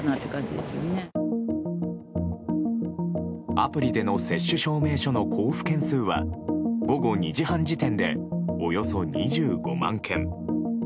アプリでの接種証明書の交付件数は午後２時半時点でおよそ２５万件。